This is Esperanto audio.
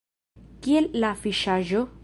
Kiel la fiŝaĵo?